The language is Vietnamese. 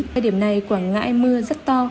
tại điểm này quảng ngãi mưa rất to